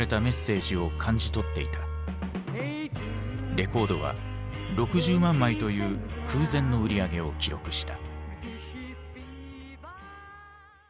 レコードは６０万枚という空前の売り上げを記録した。